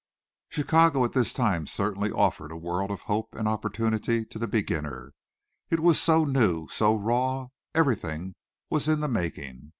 Chicago at this time certainly offered a world of hope and opportunity to the beginner. It was so new, so raw; everything was in the making.